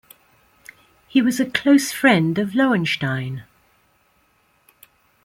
He was a close friend of Lohenstein.